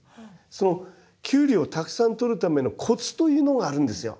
そのキュウリをたくさんとるためのコツというのがあるんですよ。